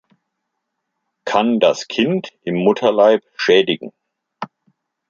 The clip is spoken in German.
Kann das Kind im Mutterleib schädigen.